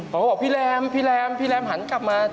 ต้องก็บอกพี่แรมพี่แรมหันกลับมา